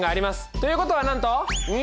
ということはなんと２通り！